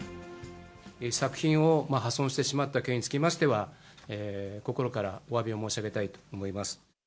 作品を破損してしまった件につきましては、心からおわびを申し上げたいと思います。